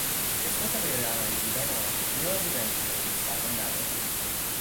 اثبات غیر عملی بودن آن، نیازی به امتحان گسترده ندارد.